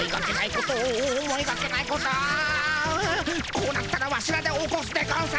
こうなったらワシらで起こすでゴンス。